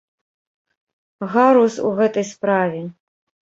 Гарус у гэтай справе!